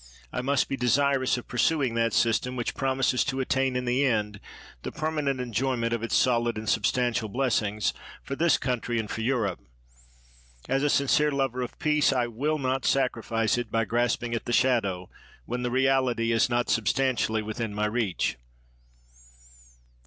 I must be de sirous of pursuing that system which promises to attain in the end the permanent enjoyment of its solid and substantial blessings for this country and for Europe. As a sincere lover of peace I will not sacrifice it by grasping at the shadow when the reality is not substantially with in my reach.